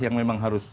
yang memang harus